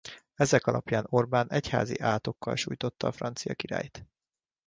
Ezek alapján Orbán egyházi átokkal sújtotta a francia királyt.